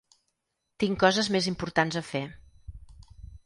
Tinc coses més importants a fer.